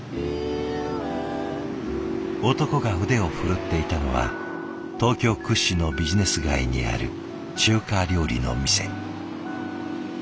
男が腕を振るっていたのは東京屈指のビジネス街にある中華料理の店。